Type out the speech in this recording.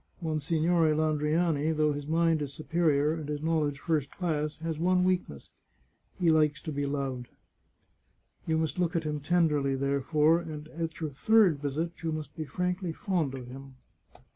Monsignore Landriana, though his mind is superior and his knowledge first class, has one weakness — he likes to be loved. You must look at him tenderly, therefore, and at your third visit you must be frankly fond of him.